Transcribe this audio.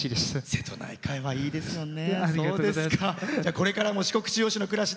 瀬戸内海はいいですよね。